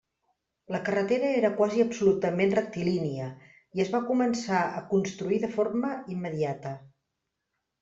La carretera era quasi absolutament rectilínia i es va començar a construir de forma immediata.